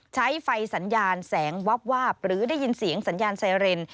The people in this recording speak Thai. ใช้ไฟสัญญาณแสงวับวาบหรือได้ยินเสียงสัญญาณไซเรน